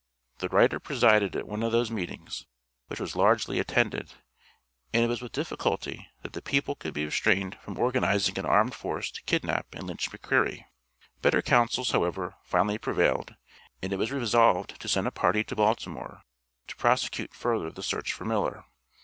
The writer presided at one of those meetings, which was largely attended, and it was with difficulty that the people could be restrained from organizing an armed force to kidnap and lynch McCreary. Better counsels, however, finally prevailed and it was resolved to send a party to Baltimore to prosecute further the search for Miller.